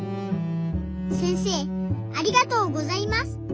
せんせいありがとうございます。